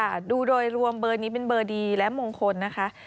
ดูโดยรวมเบอร์นี้เป็นเบอร์ดีและมงคลนะคะ